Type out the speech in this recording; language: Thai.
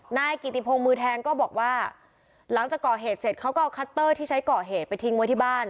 นายกิติพงศ์มือแทงก็บอกว่าหลังจากก่อเหตุเสร็จเขาก็เอาคัตเตอร์ที่ใช้ก่อเหตุไปทิ้งไว้ที่บ้าน